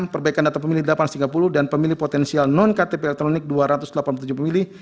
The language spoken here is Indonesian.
perbaikan data pemilih delapan ratus tiga puluh dan pemilih potensial non ktp elektronik dua ratus delapan puluh tujuh pemilih